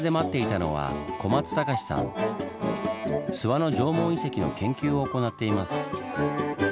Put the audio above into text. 諏訪の縄文遺跡の研究を行っています。